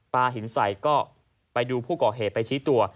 หินใส่ก็ไปดูผู้ก่อเหตุไปชี้ตัว